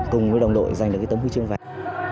cùng với đồng đội giành được cái tấm huy chương vàng